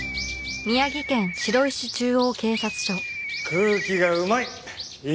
空気がうまい！